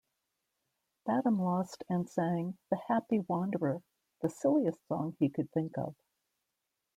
Badham lost and sang "The Happy Wanderer", the silliest song he could think of.